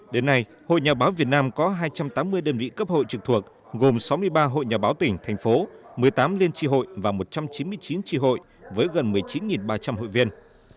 đến nay hội nhà báo việt nam có hai trăm tám mươi đơn vị cấp hội trực thuộc gồm sáu mươi ba hội nhà báo tỉnh thành phố một mươi tám liên tri hội và một trăm chín mươi chín tri hội với gần một mươi chín ba trăm linh hội viên